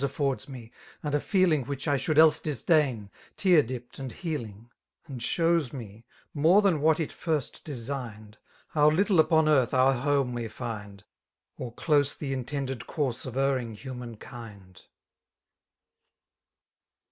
N 44 And lfl^ di«8tiis aJbrds me« and a he&ng Which I shcraM else di0datn> tear dipped sndheding; And shewa me,— more than what it first designed^ — How little upon earth our home we find. Or close the intended course of erring human kind.